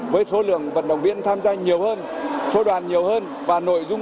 với số lượng vận động viên tham gia nhiều hơn số đoàn nhiều hơn